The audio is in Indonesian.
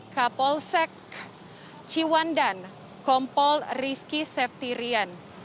kapolsek ciwan dan kompol rifki septirian